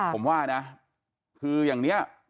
ผมว่านะคืออย่างนี้